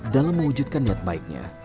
dalam mewujudkan niat baiknya